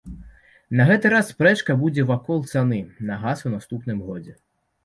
На гэты раз спрэчка будзе вакол цаны на газ у наступным годзе.